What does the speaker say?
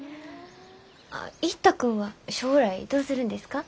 一太君は将来どうするんですか？